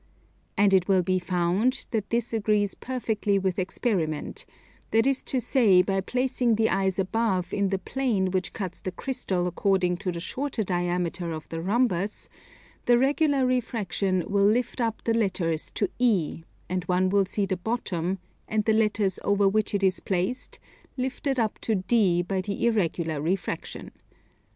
And it will be found that this agrees perfectly with experiment; that is to say by placing the eyes above in the plane which cuts the crystal according to the shorter diameter of the rhombus, the regular refraction will lift up the letters to E; and one will see the bottom, and the letters over which it is placed, lifted up to D by the irregular refraction.